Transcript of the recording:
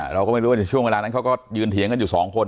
เราก็ไม่รู้ว่าในช่วงเวลานั้นเขาก็ยืนเถียงกันอยู่สองคน